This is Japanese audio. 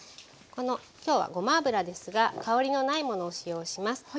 きょうはごま油ですが香りのないものを使用します。